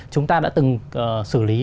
chúng ta đã từng xử lý